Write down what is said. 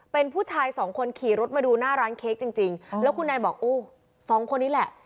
เป็นผู้ชายสองคนขี่รถมาดูหน้าร้านเค้กจริงจริงแล้วคุณแนนบอกโอ้สองคนนี้แหละ